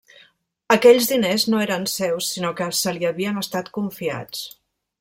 Aquells diners no eren seus sinó que se li havien estat confiats.